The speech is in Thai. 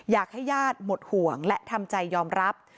อยากให้ญาติหมดห่วงและทำใจยอมรับ